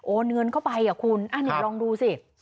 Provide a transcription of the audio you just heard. โอนเงินเข้าไปอ่ะคุณลองดูสิ